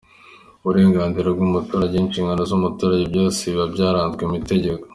Uburenganzira bw’umuturage, inshingano z’umuturage byose biba byarabazwe mu itegeko.